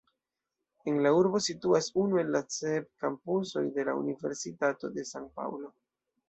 En la urbo situas unu el la sep kampusoj de la Universitato de San-Paŭlo.